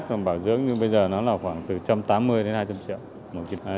một km bảo dưỡng như bây giờ nó là khoảng từ một trăm tám mươi đến hai trăm linh triệu